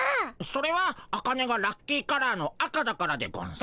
それはアカネがラッキーカラーの赤だからでゴンス。